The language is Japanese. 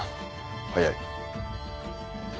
早い。